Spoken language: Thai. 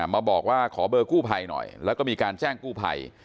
มาบอกว่าขอเบอร์กู้ภัยหน่อยแล้วก็มีการแจ้งกู้ภัย